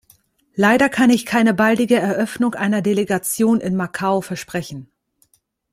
Leider kann ich keine baldige Eröffnung einer Delegation in Macao versprechen.